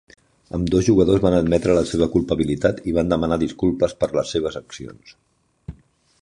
Ambdós jugadors van admetre la seva culpabilitat i van demanar disculpes per les seves accions.